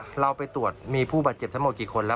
ช้ำตามตัวมีเล็บตามตัวค่ะ